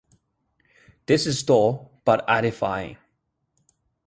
That is droll, but edifying.